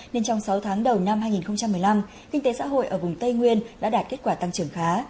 nên trong sáu tháng đầu năm hai nghìn một mươi năm kinh tế xã hội ở vùng tây nguyên đã đạt kết quả tăng trưởng khá